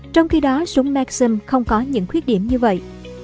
trong khi đó súng maxim không có những khuyết điểm như vậy